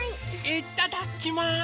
いっただっきます！